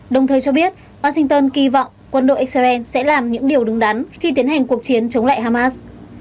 đồng thời cho biết washington kỳ vọng quân đội israel sẽ làm những điều đúng đắn khi tiến hành cuộc chiến chống lại hamas